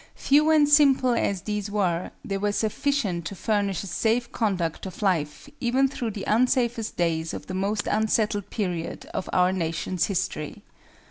Few and simple as these were, they were sufficient to furnish a safe conduct of life even through the unsafest days of the most unsettled period of our nation's history.